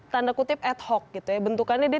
tanda kutip ad hoc bentukannya dia